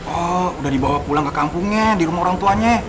oh udah dibawa pulang ke kampungnya di rumah orang tuanya